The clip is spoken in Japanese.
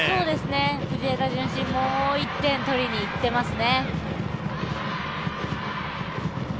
藤枝順心、もう１点、取りにいってますね。